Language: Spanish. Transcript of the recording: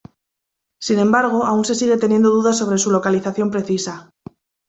Sin embargo, aún se sigue teniendo dudas sobre su localización precisa.